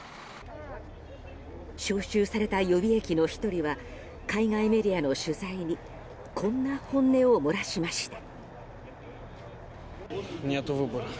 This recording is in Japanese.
招集された予備役の１人は海外メディアの取材にこんな本音を漏らしました。